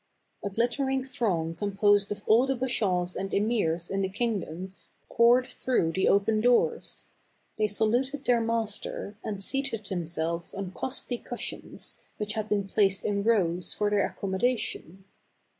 A glittering throng composed of all the bashaws and emirs in the kingdom poured through the open doors. They saluted their master and seated themselves on costly cushions, which had been placed in rows for their accommodation.